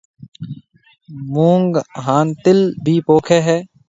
مونگ ھان تِل ڀِي پوکيَ ھيََََ